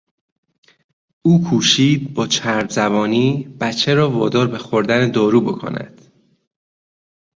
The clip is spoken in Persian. او کوشید با چرب زبانی بچه را وادار به خوردن دارو بکند.